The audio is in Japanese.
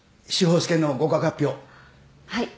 はい。